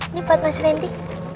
ini buat mas rendy